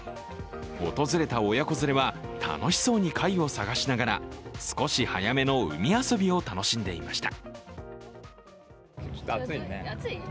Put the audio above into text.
訪れた親子連れは楽しそうに貝を探しながら、少し早めの海遊びを楽しんでいました。